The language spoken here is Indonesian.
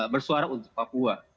bersuara untuk papua